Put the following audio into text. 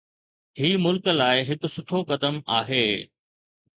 هي ملڪ لاءِ هڪ سٺو قدم آهي.